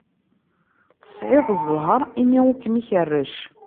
Tesɛiḍ zzheṛ imi ur kem-ikerrec.